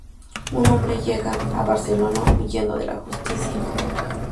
Un hombre llega a Barcelona huyendo de la justicia.